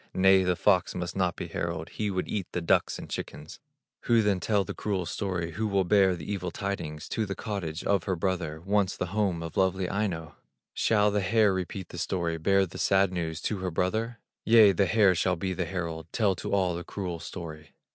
Nay, the fox must not be herald, He would eat the ducks and chickens. Who then tell the cruel story, Who will bear the evil tidings To the cottage of her brother, Once the home of lovely Aino? Shall the hare repeat the story, Bear the sad news to her brother? Yea, the hare shall be the herald, Tell to all the cruel story.